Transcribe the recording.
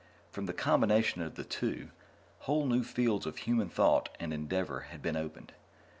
From the combination of the two, whole new fields of human thought and endeavor had been opened.